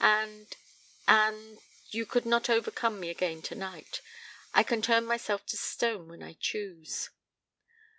And and you could not overcome me again tonight. I can turn myself to stone when I choose."